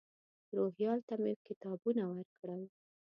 روهیال ته مې کتابونه ورکړل.